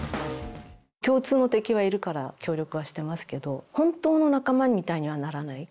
共通の敵はいるから協力はしてますけど本当の仲間みたいにはならない。